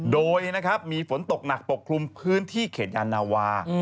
โดยนะครับมีฝนตกหนักปกคลุมพื้นที่เขตยานาวา